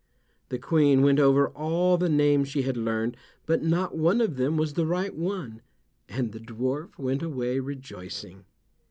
The Queen went over all the names she had learned, but not one of them was the right one, and the dwarf went away rejoicing.